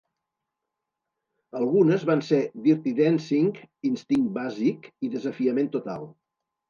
Algunes van ser "Dirty Dancing", "Instint bàsic" i "Desafiament total".